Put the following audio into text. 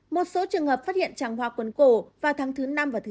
một số trường hợp phát hiện tràng hoa cuốn cổ vào tháng thứ năm và thứ sáu